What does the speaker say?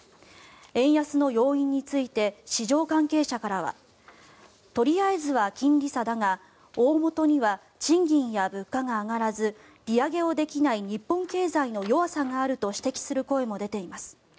円安の要因について市場関係者からはとりあえずは金利差だが大本には賃金や物価が上がらず利上げをできない日本経済の弱さがあると指摘する声も出ています。